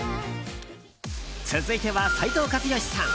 続いては、斉藤和義さん。